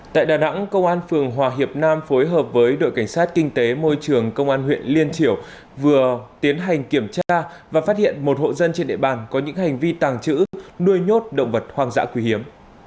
tại đà nẵng công an phường hòa hiệp nam phối hợp với đội cảnh sát kinh tế môi trường công an huyện liên triều vừa tiến hành kiểm tra và phát hiện một hộ dân trên địa bàn có những hành vi tàng trữ nuôi nhốt động vật hoang dã quý hiếm